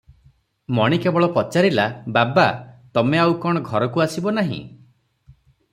ମଣି କେବଳ ପଚାରିଲା "ବାବା! ତମେ ଆଉ କଣ ଆଉ ଘରକୁ ଆସିବ ନାହିଁ?